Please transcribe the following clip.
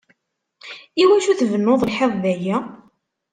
Iwacu tbennuḍ lḥiḍ dayi?